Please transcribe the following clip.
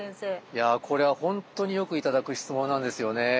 いやこれは本当によく頂く質問なんですよね。